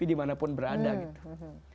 dimanapun berada gitu